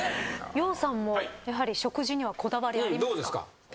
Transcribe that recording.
ＹＯＨさんもやはり食事にはこだわりありますか？